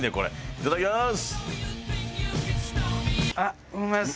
いただきます！